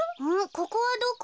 ここはどこ？